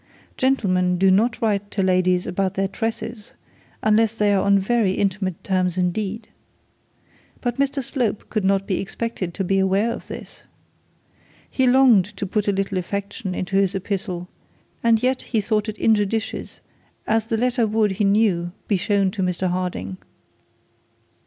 Gentlemen do not write to ladies about their tresses, unless they are on very intimate terms indeed. But Mr Slope could not be expected to be aware of this. He longed to put a little affection into his epistle, and yet he thought it injudicious, as the letter would he knew be shown to Mr Harding.